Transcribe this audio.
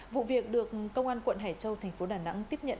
vụ việc được công an quận hải châu thành phố đà nẵng tiếp nhận